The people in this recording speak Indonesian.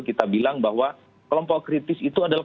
kita bilang bahwa kelompok kritis itu adalah